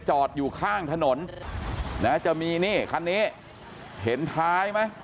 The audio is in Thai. จอดอยู่ข้างถนนนะจะมีนี่คันนี้เห็นท้ายไหม